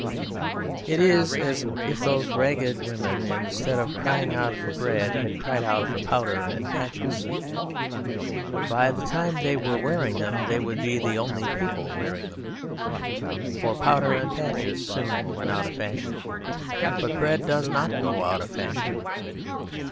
It is as if those ragged women, instead of crying out for bread, had cried out for powder and patches. By the time they were wearing them they would be the only people wearing them. For powder and patches soon went out of fashion, but bread does not go out of fashion.